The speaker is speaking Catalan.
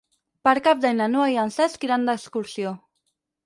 Per Cap d'Any na Noa i en Cesc iran d'excursió.